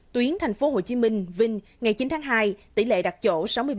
tuyến tp hcm vinh ngày chín tháng hai tỷ lệ đặt chỗ sáu mươi ba